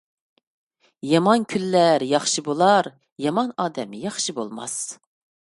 يامان كۈنلەر ياخشى بولار، يامان ئادەم ياخشى بولماس.